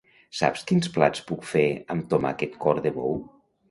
Saps quins plats puc fer amb tomàquet cor de bou?